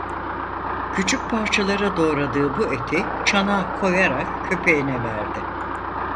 Küçük parçalara doğradığı bu eti çanağa koyarak köpeğine verdi.